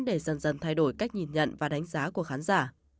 để dần dần thay đổi cách nhìn nhận và đánh giá của khán giả